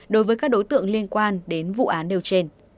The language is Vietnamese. đối với các đối tượng liên quan đến vụ án nêu trên